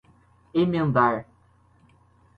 emendar